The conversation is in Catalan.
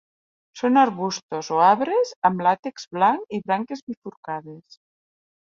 Són arbustos o arbres amb làtex blanc i branques bifurcades.